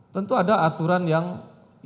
tentu ada aturan yang